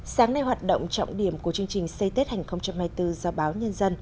sáng nay hoạt động trọng điểm của chương trình xây tết hành hai mươi bốn do báo nhân dân